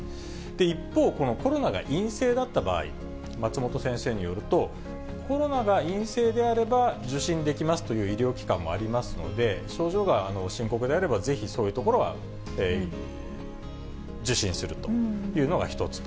一方、コロナが陰性だった場合、松本先生によると、コロナが陰性であれば受診できますという医療機関もありますので、症状が深刻であれば、ぜひそういうところは受診するというのが一つと。